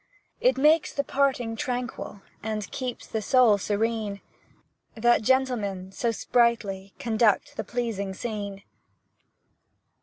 It makes the parting tranquil And keeps the soul serene, That gentlemen so sprightly Conduct the pleasing scene!